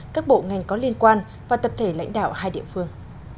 các bộ ngành có liên quan và tập thể lãnh đạo hai địa phương